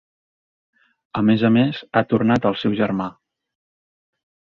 A més a més, ha tornat el seu germà.